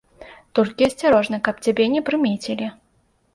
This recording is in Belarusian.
Толькі асцярожна, каб цябе не прымецілі.